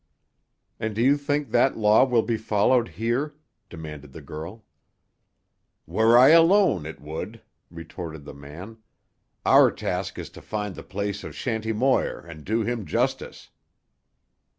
"And do you think that law will be followed here?" demanded the girl. "Were I alone, it would," retorted the man. "Our task is to find the place of Shanty Moir and do him justice."